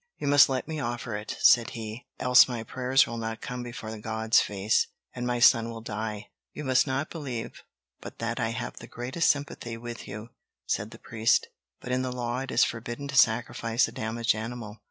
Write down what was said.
"You must let me offer it," said he, "else my prayers will not come before God's face, and my son will die!" "You must not believe but that I have the greatest sympathy with you," said the priest, "but in the law it is forbidden to sacrifice a damaged animal.